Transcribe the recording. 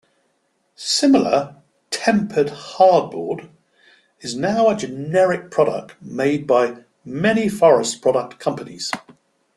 Similar "tempered hardboard" is now a generic product made by many forest product companies.